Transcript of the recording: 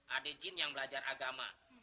ada jin yang belajar agama